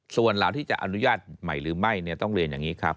ส่วนเหล่าที่จะอนุญาตใหม่หรือไม่เนี่ยต้องเรียนอย่างนี้ครับ